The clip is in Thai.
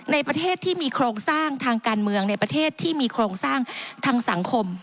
ในประเทศที่มีโครงสร้างทางการเมืองในประเทศที่มีโครงสร้างทางสังคม